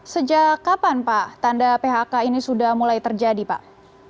sejak kapan pak tanda phk ini sudah mulai terjadi pak